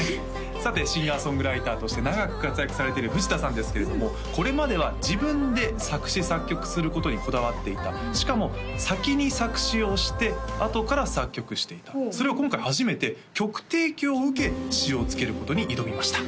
さてシンガー・ソングライターとして長く活躍されてる藤田さんですけれどもこれまでは自分で作詞作曲することにこだわっていたしかも先に作詞をしてあとから作曲していたそれを今回初めて曲提供を受け詞をつけることに挑みました